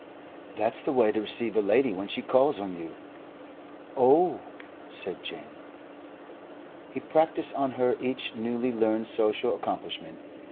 "That's the way to receive a lady when she calls on you. "Oh!" said Jane. He practised on her each newly learned social accomplishment.